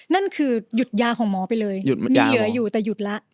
นั่นคือหยุดยาของหมอไปเลยมีเหลืออยู่แต่หยุดแล้ว